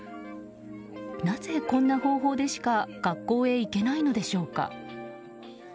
なぜこんな方法でしか学校へ行けないのでしょうか。